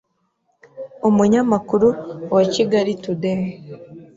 Umunyamakuru wa Kigali Today